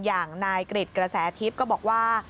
อย่างนายกริจกระแสทิพย์ก็บอกว่า